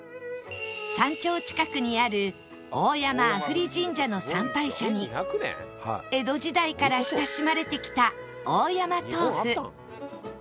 山頂近くにある大山阿夫利神社の参拝者に江戸時代から親しまれてきた大山豆腐